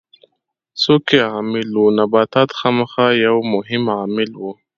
څوک یې عامل وو؟ نباتات خامخا یو مهم عامل و.